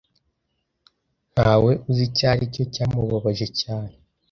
Ntawe uzi icyo aricyo cyamubabaje cyane.